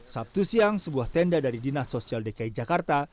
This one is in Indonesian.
sabtu siang sebuah tenda dari dinas sosial dki jakarta